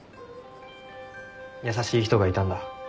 優しい人がいたんだ。